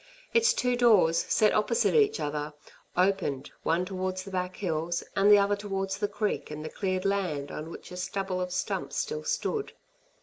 Its two doors, set opposite each other, opened, one towards the back hills and the other towards the creek and the cleared land on which a stubble of stumps still stood.